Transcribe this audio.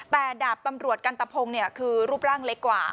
แต่ดาบตำรวจกันตะพงศ์คือรูปร่างเล็กกว่า